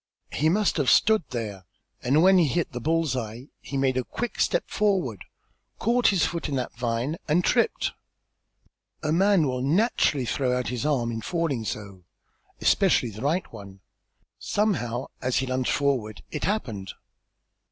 He must have stood there, and when he hit the bull's eye, he made a quick forward step, caught his foot in that vine and tripped. A man will naturally throw out his arm in falling so, especially the right one, and in doing that, somehow as he lunged forward it happened."